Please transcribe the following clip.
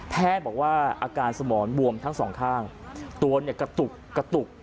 บอกว่าอาการสมองบวมทั้งสองข้างตัวเนี่ยกระตุกกระตุก